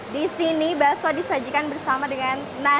di sini bakso disajikan bersama dengan nasi